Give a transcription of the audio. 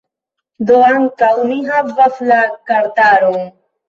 Do, ankaŭ mi havas la kartaron